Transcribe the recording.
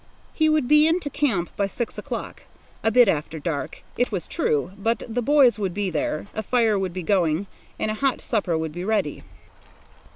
He would be in to camp by six o'clock; a bit after dark, it was true, but the boys would be there, a fire would be going, and a hot supper would be ready.